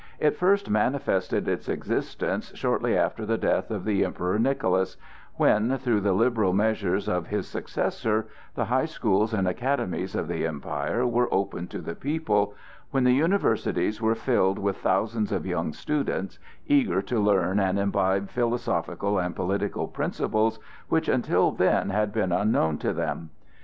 It first manifested its existence shortly after the death of the Emperor Nicholas, when, through the liberal measures of his successor, the high schools and academies of the empire were opened to the people, when the universities were filled with thousands of young students, eager to learn and imbibe philosophical and political principles which until then had been unknown to them.